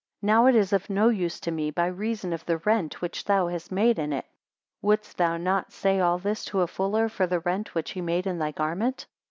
Now it is of no use to me, by reason of the rent which thou hast made in it. Wouldst thou not say all this to a fuller, for the rent which he made in thy garment?